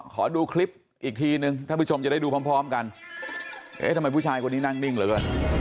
ขอดูคลิปอีกทีนึงถ้าผู้ชมจะได้ดูพร้อมกันทำไมผู้ชายกว่านี้นั่งนิ่งหรือ